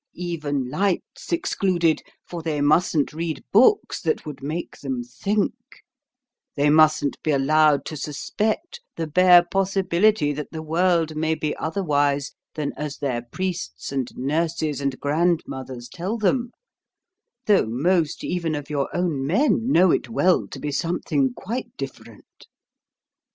Even light's excluded; for they mustn't read books that would make them think; they mustn't be allowed to suspect the bare possibility that the world may be otherwise than as their priests and nurses and grandmothers tell them, though most even of your own men know it well to be something quite different.